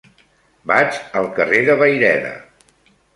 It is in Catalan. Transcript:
Vaig al carrer de Vayreda.